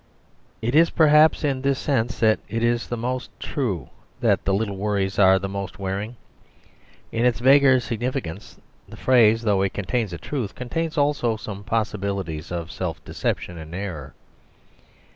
It is, perhaps, in this sense that it is most true that little worries are most wearing. In its vaguer significance the phrase, though it contains a truth, contains also some possibilities of self deception and error.